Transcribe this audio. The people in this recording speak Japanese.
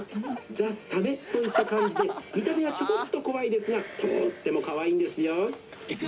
ザ・サメといった感じで見た目は、ちょこっと怖いですがとーってもかわいいんですよ」。